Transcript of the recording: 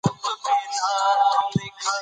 سیادت پر دوه ډوله دئ.